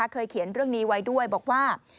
เคยเขียนเรื่องนี้ไว้ด้วยบอกว่า